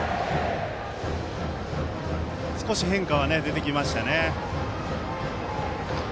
少し変化は出てきましたね。